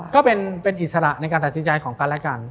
ก็เป็นอิสระในการตัดสินใจของกันและกัน